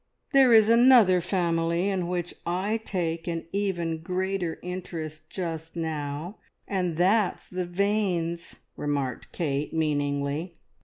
"There is another family in which I take an even greater interest just now, and that's the Vanes!" remarked Kate meaningly.